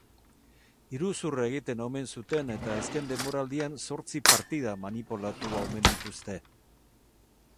Iruzur egiten omen zuten eta azken denboraldian zortzi partida manipulatu omen dituzte.